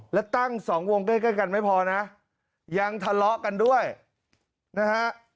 และตั้ง๒วงใกล้กันไม่พอนะยังทะเลาะกันด้วยนะฮะ